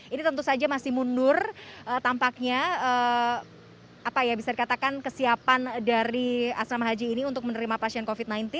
ini tentu saja masih mundur tampaknya bisa dikatakan kesiapan dari asrama haji ini untuk menerima pasien covid sembilan belas